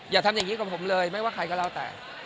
อย่าทำอย่างนี้กับผมเลยไม่ว่าใครก็แล้วแต่